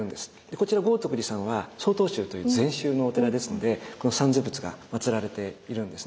こちら豪徳寺さんは曹洞宗という禅宗のお寺ですのでこの三世仏がまつられているんですね。